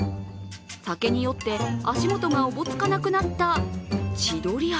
酒に酔って足元がおぼつかなくなった千鳥足。